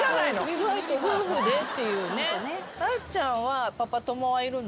意外と夫婦でっていうね。